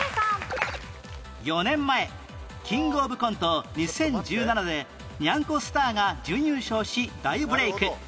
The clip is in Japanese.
４年前キングオブコント２０１７でにゃんこスターが準優勝し大ブレイク